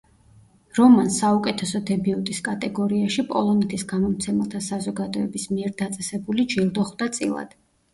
რომანს საუკეთესო დებიუტის კატეგორიაში პოლონეთის გამომცემელთა საზოგადოების მიერ დაწესებული ჯილდო ხვდა წილად.